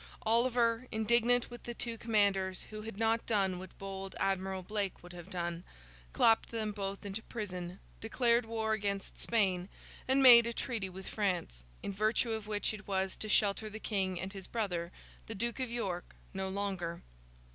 Oliver, indignant with the two commanders who had not done what bold Admiral Blake would have done, clapped them both into prison, declared war against Spain, and made a treaty with France, in virtue of which it was to shelter the King and his brother the Duke of York no longer.